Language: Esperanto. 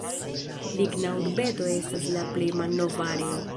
Ligna Urbeto estas la plej malnova areo.